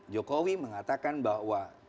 jokowi mengatakan bahwa